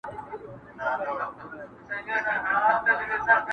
هغې ته تېر ياد راځي ناڅاپه,